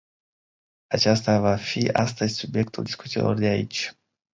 Acesta va fi astăzi subiectul discuțiilor de aici.